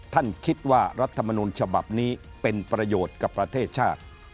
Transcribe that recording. ท่านคิดว่ารัฐมนุนฉบับนี้เป็นประโยชน์กับประเทศชาติ